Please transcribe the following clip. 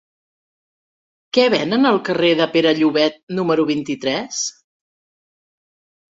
Què venen al carrer de Pere Llobet número vint-i-tres?